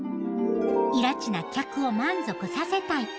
いらちな客を満足させたい。